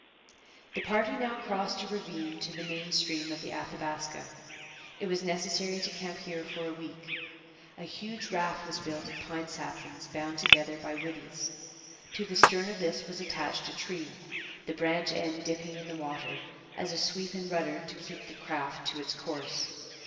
The party now crossed a ravine to the main stream of the Athabaska. It was necessary to camp here for a week. A huge raft was built of pine saplings bound together by withes. To the stern of this was attached a tree, the branch end dipping in the water, as a sweep and rudder to keep the craft to its course.